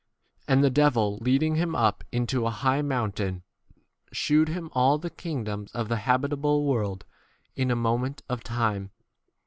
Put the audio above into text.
And the devil, leading him up into a high mountain, shewed him all the kingdoms of the habitable 6 [world] in a moment of time.